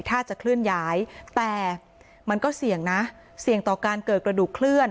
ถ้าจะเคลื่อนย้ายแต่มันก็เสี่ยงนะเสี่ยงต่อการเกิดกระดูกเคลื่อน